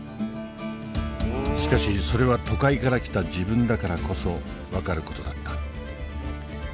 しかしそれは都会から来た自分だからこそ分かる事だった。